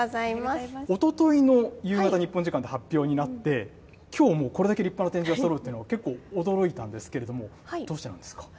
おとといの夕方、日本時間、発表になって、きょうもうこれだけ立派な展示がそろうっていうのは結構驚いたんですけれども、どうしてなんですか？